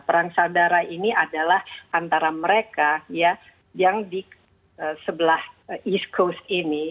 perang saudara ini adalah antara mereka yang di sebelah east coast ini